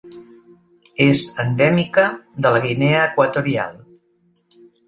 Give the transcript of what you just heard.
És endèmica de la Guinea Equatorial.